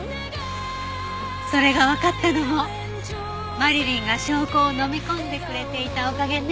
それがわかったのもマリリンが証拠を飲み込んでくれていたおかげね。